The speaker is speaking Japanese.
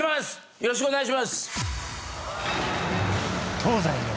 よろしくお願いします。